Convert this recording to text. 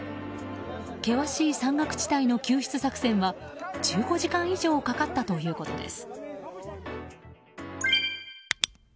険しい山岳地帯の救出作戦は１５時間以上かかったということです。